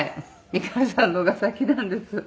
美川さんの方が先なんです。